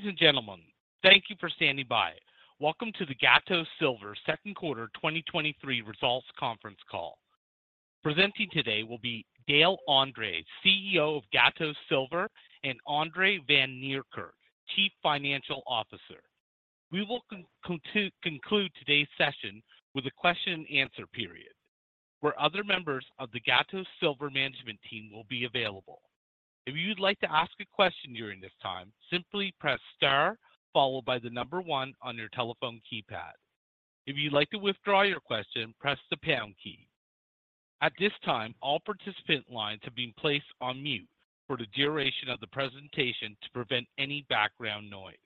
Ladies and gentlemen, thank you for standing by. Welcome to the Gatos Silver second quarter 2023 results conference call. Presenting today will be Dale Andres, CEO of Gatos Silver, and André van Niekerk, Chief Financial Officer. We will conclude today's session with a question and answer period, where other members of the Gatos Silver management team will be available. If you'd like to ask a question during this time, simply press Star, followed by the number one on your telephone keypad. If you'd like to withdraw your question, press the pound key. At this time, all participant lines have been placed on mute for the duration of the presentation to prevent any background noise.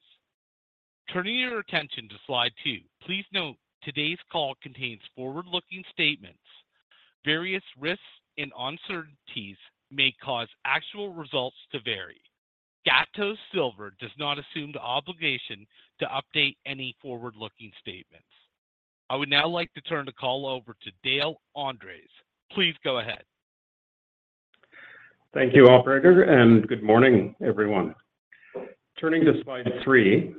Turning your attention to slide two, please note today's call contains forward-looking statements. Various risks and uncertainties may cause actual results to vary. Gatos Silver does not assume the obligation to update any forward-looking statements. I would now like to turn the call over to Dale Andres. Please go ahead. Thank you, operator. Good morning, everyone. Turning to slide three,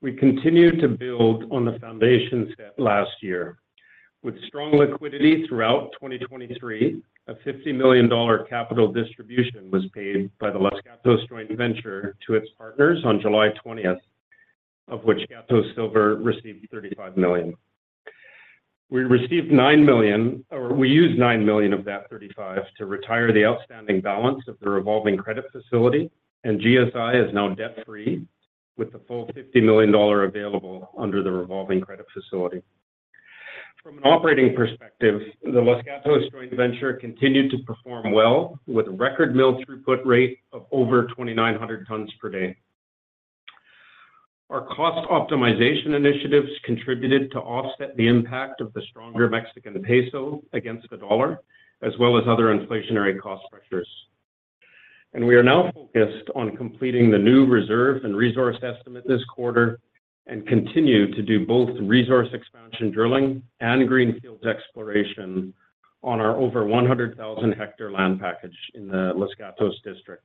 we continued to build on the foundation set last year. With strong liquidity throughout 2023, a $50 million capital distribution was paid by the Los Gatos Joint Venture to its partners on July 20th, of which Gatos Silver received $35 million. We used $9 million of that $35 million to retire the outstanding balance of the Revolving Credit Facility, and GSI is now debt-free, with the full $50 million available under the Revolving Credit Facility. From an operating perspective, the Los Gatos Joint Venture continued to perform well, with a record mill throughput rate of over 2,900 tons per day. Our cost optimization initiatives contributed to offset the impact of the stronger Mexican peso against the dollar, as well as other inflationary cost pressures. We are now focused on completing the new reserve and resource estimate this quarter and continue to do both greenfields exploration on our over 100,000 hectare land package in the Los Gatos District.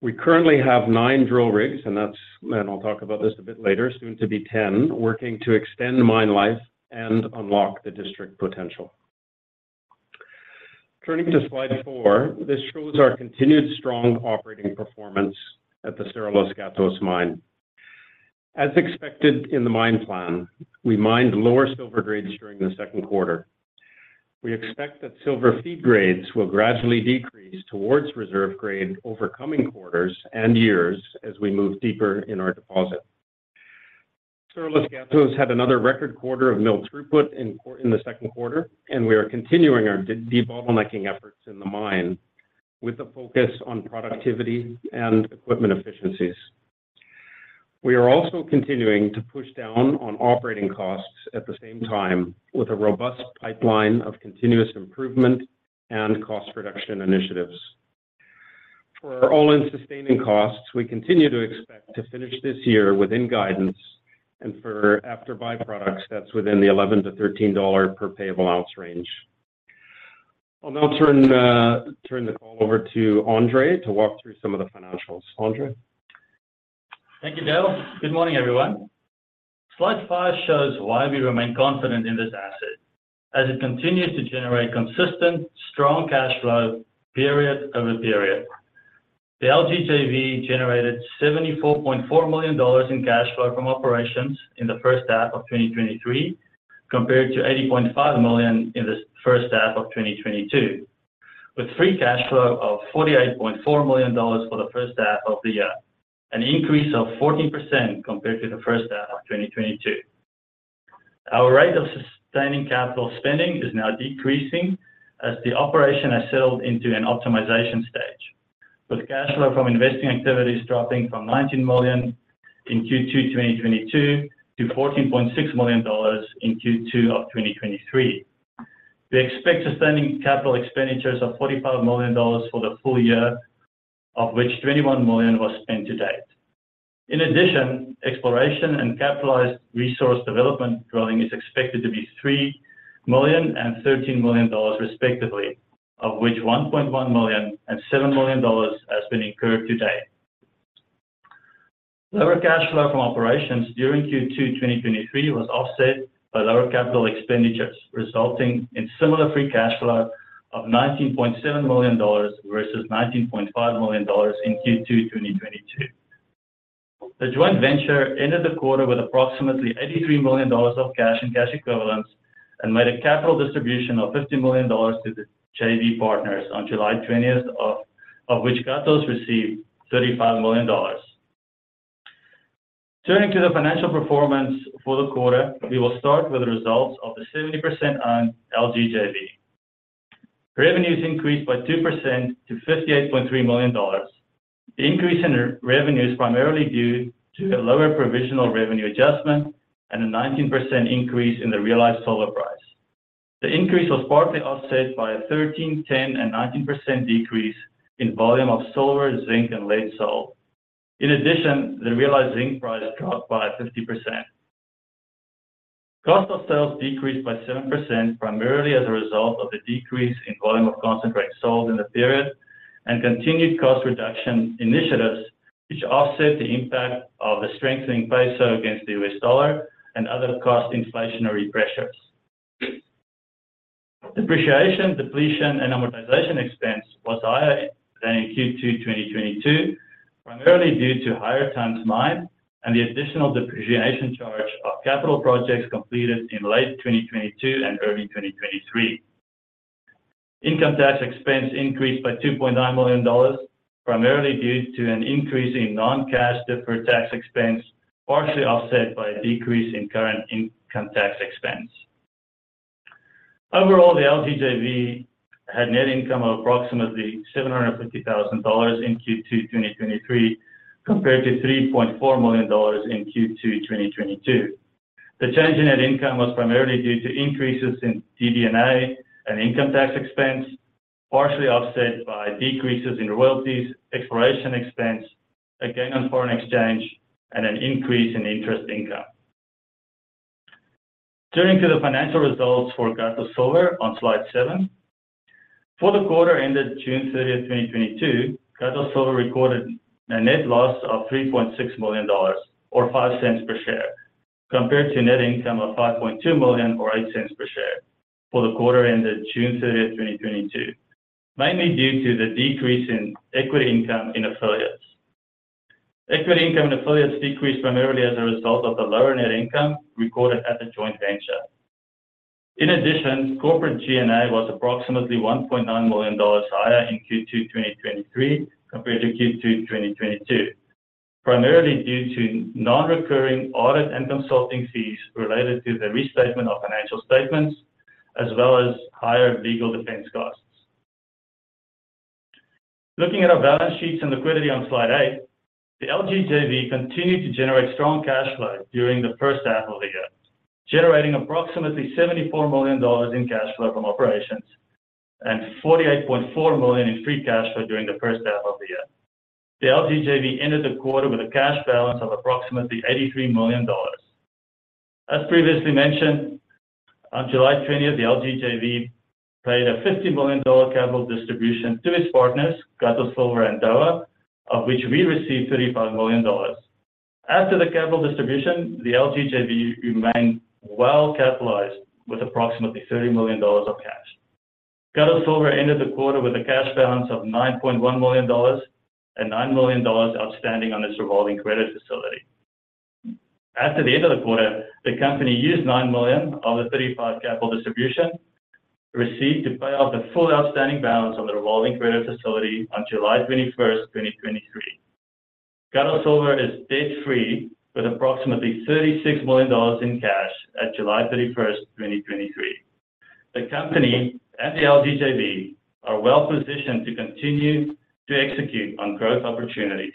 We currently have 9 drill rigs, and I'll talk about this a bit later, soon to be 10, working to extend mine life and unlock the district potential. Turning to slide four, this shows our continued strong operating performance at the Cerro Los Gatos mine. As expected in the mine plan, we mined lower silver grades during the second quarter. We expect that silver feed grades will gradually decrease towards reserve grade over coming quarters and years as we move deeper in our deposit. Cerro Los Gatos had another record quarter of mill throughput in the second quarter. We are continuing our debottlenecking efforts in the mine with a focus on productivity and equipment efficiencies. We are also continuing to push down on operating costs at the same time with a robust pipeline of continuous improvement and cost reduction initiatives. For our all-in sustaining costs, we continue to expect to finish this year within guidance, and for after by-products, that's within the $11-$13 per payable ounce range. I'll now turn the call over to Andre to walk through some of the financials. André van Niekerk? Thank you, Dale. Good morning, everyone. Slide 5 shows why we remain confident in this asset as it continues to generate consistent, strong cash flow period over period. The LGJV generated $74.4 million in cash flow from operations in the H1 of 2023, compared to $80.5 million in the H1 of 2022, with free cash flow of $48.4 million for the H1 of the year, an increase of 14% compared to the H1 of 2022. Our rate of sustaining capital spending is now decreasing as the operation has settled into an optimization stage, with cash flow from investing activities dropping from $19 million in Q2 2022 to $14.6 million in Q2 2023. We expect sustaining capital expenditures of $45 million for the full year, of which $21 million was spent to date. In addition, exploration and capitalized resource development drilling is expected to be $3 million and $13 million, respectively, of which $1.1 million and $7 million has been incurred to date. Lower cash flow from operations during Q2 2023 was offset by lower capital expenditures, resulting in similar free cash flow of $19.7 million versus $19.5 million in Q2 2022. The joint venture ended the quarter with approximately $83 million of cash and cash equivalents and made a capital distribution of $50 million to the JV partners on July 20th, of which Gatos Silver received $35 million. Turning to the financial performance for the quarter, we will start with the results of the 70% on LGJV. Revenues increased by 2% to $58.3 million. The increase in revenue is primarily due to a lower provisional revenue adjustment and a 19% increase in the realized silver price. The increase was partly offset by a 13%, 10%, and 19% decrease in volume of silver, zinc, and lead sold. In addition, the realized zinc price dropped by 50%....Cost of sales decreased by 7%, primarily as a result of the decrease in volume of concentrate sold in the period, and continued cost reduction initiatives, which offset the impact of the strengthening peso against the US dollar and other cost inflationary pressures. Depreciation, depletion, and amortization expense was higher than in Q2 2022, primarily due to higher tons mined and the additional depreciation charge of capital projects completed in late 2022 and early 2023. Income tax expense increased by $2.9 million, primarily due to an increase in non-cash deferred tax expense, partially offset by a decrease in current income tax expense. Overall, the LGJV had net income of approximately $750,000 in Q2 2023, compared to $3.4 million in Q2 2022. The change in net income was primarily due to increases in DD&A and income tax expense, partially offset by decreases in royalties, exploration expense, a gain on foreign exchange, and an increase in interest income. Turning to the financial results for Gatos Silver on slide 7. For the quarter ended June 30, 2022, Gatos Silver recorded a net loss of $3.6 million or $0.05 per share, compared to a net income of $5.2 million or $0.08 per share for the quarter ended June 30, 2022, mainly due to the decrease in equity income in affiliates. Equity income in affiliates decreased primarily as a result of the lower net income recorded at the joint venture. In addition, corporate G&A was approximately $1.9 million higher in Q2 2023, compared to Q2 2022, primarily due to non-recurring audit and consulting fees related to the restatement of financial statements, as well as higher legal defense costs. Looking at our balance sheets and liquidity on slide 8, the LGJV continued to generate strong cash flow during the H1 of the year, generating approximately $74 million in cash flow from operations and $48.4 million in free cash flow during the H1 of the year. The LGJV ended the quarter with a cash balance of approximately $83 million. As previously mentioned, on July 20th, the LGJV paid a $50 million capital distribution to its partners, Gatos Silver and Dowa, of which we received $35 million. After the capital distribution, the LGJV remained well-capitalized with approximately $30 million of cash. Gatos Silver ended the quarter with a cash balance of $9.1 million and $9 million outstanding on this revolving credit facility. After the end of the quarter, the company used $9 million of the $35 capital distribution received to pay off the full outstanding balance on the Revolving Credit Facility on July 21, 2023. Gatos Silver is debt-free with approximately $36 million in cash at July 31, 2023. The company and the LGJV are well positioned to continue to execute on growth opportunities.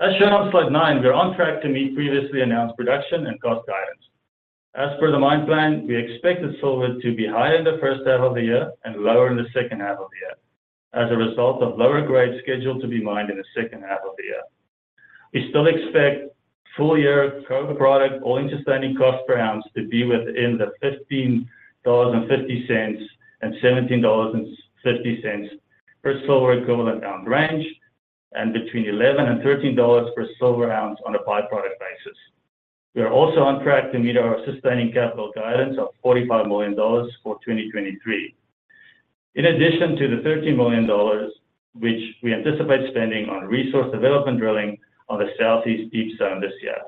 As shown on slide 9, we are on track to meet previously announced production and cost guidance. As per the mine plan, we expect the silver to be higher in the H1 of the year and lower in the H2 of the year, as a result of lower grade scheduled to be mined in the H2 of the year. We still expect full year co-product, all-in sustaining cost per ounce to be within the $15.50 and $17.50 per silver equivalent ounce range, and between $11-$13 per silver ounce on a by-product basis. We are also on track to meet our sustaining capital guidance of $45 million for 2023. In addition to the $13 million, which we anticipate spending on resource development drilling on the Southeast Deep zone this year.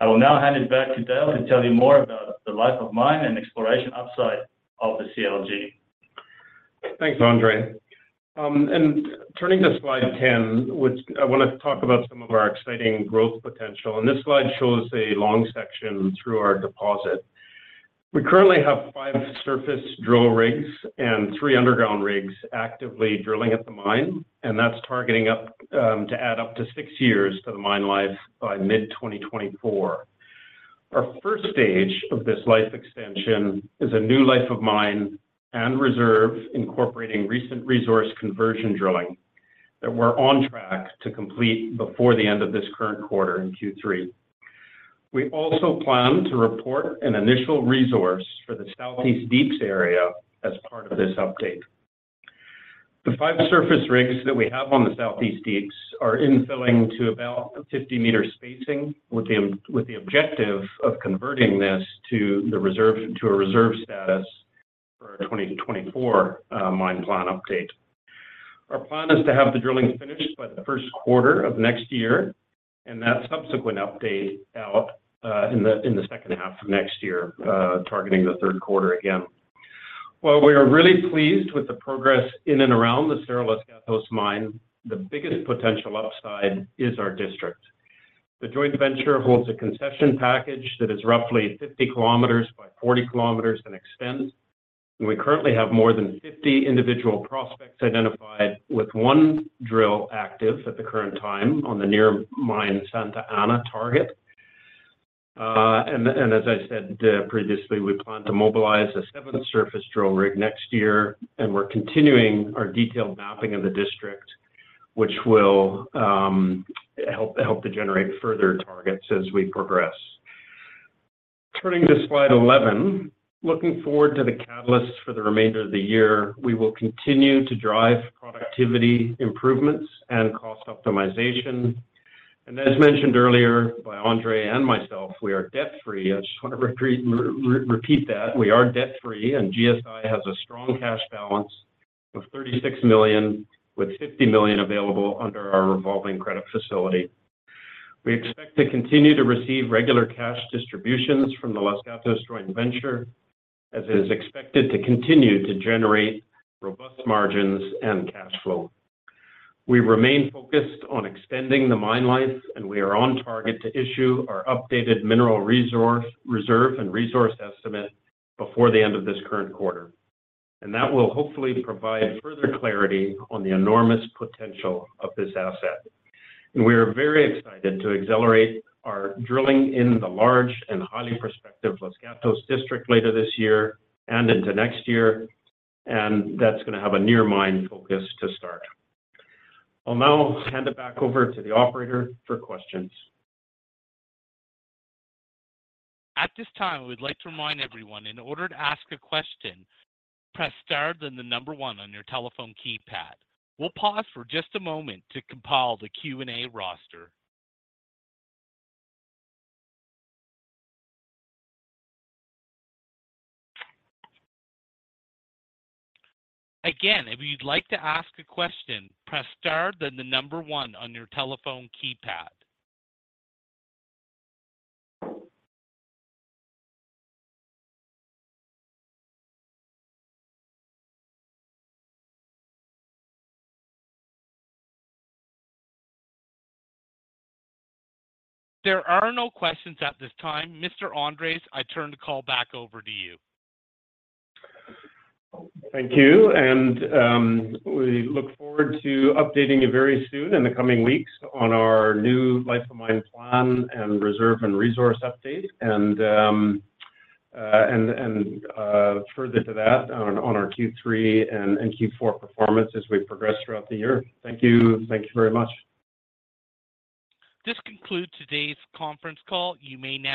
I will now hand it back to Dale to tell you more about the life of mine and exploration upside of the CLG. Thanks, Andre. Turning to slide 10, which I want to talk about some of our exciting growth potential, and this slide shows a long section through our deposit. We currently have 5 surface drill rigs and 3 underground rigs actively drilling at the mine. That's targeting up to add up to 6 years to the mine life by mid-2024. Our first stage of this life extension is a new life of mine and reserve, incorporating recent resource conversion drilling that we're on track to complete before the end of this current quarter in Q3. We also plan to report an initial resource for the Southeast Deeps area as part of this update. The five surface rigs that we have on the Southeast Deeps are infilling to about a 50-meter spacing, with the objective of converting this to the reserve, to a reserve status for our 2024 mine plan update. Our plan is to have the drilling finished by the 1st quarter of next year, and that subsequent update out in the H2 of next year, targeting the 3rd quarter again. While we are really pleased with the progress in and around the Cerro Los Gatos mine, the biggest potential upside is our district. The joint venture holds a concession package that is roughly 50 kilometers by 40 kilometers in extent, and we currently have more than 50 individual prospects identified with one drill active at the current time on the near mine, Santa Ana target. As I said, previously, we plan to mobilize a seventh surface drill rig next year, and we're continuing our detailed mapping of the district, which will help, help to generate further targets as we progress. Turning to slide 11, looking forward to the catalysts for the remainder of the year, we will continue to drive productivity improvements and cost optimization. As mentioned earlier by Andre and myself, we are debt-free. I just want to repeat, re-re-repeat that. We are debt-free, and GSI has a strong cash balance of $36 million, with $50 million available under our Revolving Credit Facility. We expect to continue to receive regular cash distributions from the Los Gatos Joint Venture, as it is expected to continue to generate robust margins and cash flow. We remain focused on extending the mine life, and we are on target to issue our updated mineral resource, reserve and resource estimate before the end of this current quarter. That will hopefully provide further clarity on the enormous potential of this asset. We are very excited to accelerate our drilling in the large and highly prospective Los Gatos district later this year and into next year, and that's going to have a near mine focus to start. I'll now hand it back over to the operator for questions. At this time, we'd like to remind everyone, in order to ask a question, press star, then the one on your telephone keypad. We'll pause for just a moment to compile the Q&A roster. Again, if you'd like to ask a question, press star, then the one on your telephone keypad. There are no questions at this time. Mr. Andres, I turn the call back over to you. Thank you, and we look forward to updating you very soon in the coming weeks on our new life of mine plan and reserve and resource update, and further to that, on our Q3 and Q4 performance as we progress throughout the year. Thank you. Thank you very much. This concludes today's conference call. You may now-